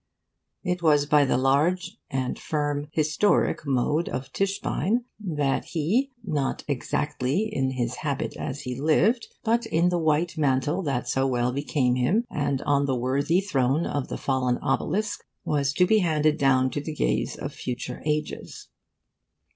It was by the large and firm 'historic' mode of Tischbein that he, not exactly in his habit as he lived, but in the white mantle that so well became him, and on the worthy throne of that fallen obelisk, was to be handed down to the gaze of future ages.